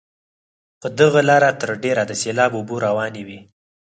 په دغه لاره تر ډېره د سیلاب اوبه روانې وي.